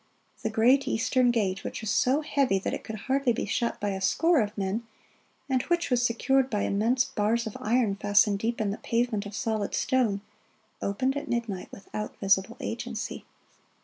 The great eastern gate, which was so heavy that it could hardly be shut by a score of men, and which was secured by immense bars of iron fastened deep in the pavement of solid stone, opened at midnight, without visible agency.